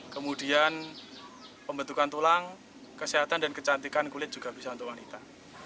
kemudian pembentukan tulang kesehatan dan kecantikan kulit juga bisa untuk wanita